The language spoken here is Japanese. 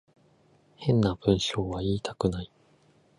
変な文章は言いたくない